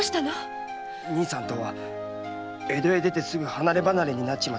義兄さんとは江戸へ出てすぐ離れ離れになっちまった